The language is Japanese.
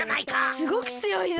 すごくつよいぞ。